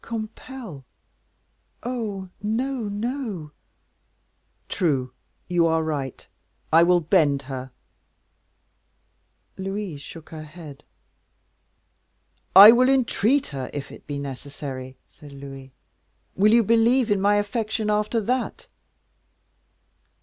"Compel? Oh! no, no!" "True; you are right. I will bend her." Louise shook her head. "I will entreat her, if it be necessary," said Louis. "Will you believe in my affection after that?"